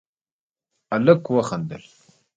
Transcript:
هلک وخندل: